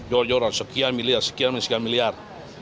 jor joran sekian miliar sekian sekian miliar